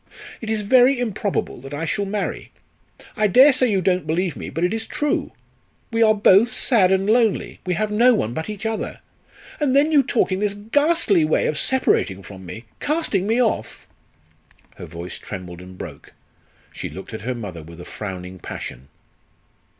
It is very improbable that I shall marry. I dare say you don't believe me, but it is true. We are both sad and lonely. We have no one but each other. And then you talk in this ghastly way of separating from me casting me off." Her voice trembled and broke, she looked at her mother with a frowning passion.